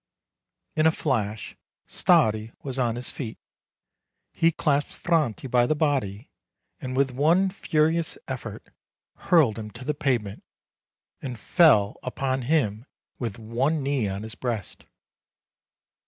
In a flash Stardi was on his feet. He clasped Franti by the body, and, with one furious effort, hurled him to the pavement, and fell upon him with one knee on his breast.